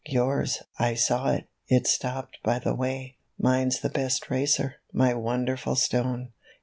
Yours, I saw it, it stopped by the way; Mine's the best racer — my wonderful stone.